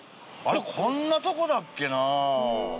こんなとこだっけな？